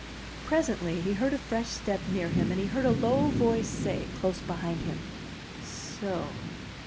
Presently he heard a fresh step near him, and he heard a low voice say, close behind him, "So!"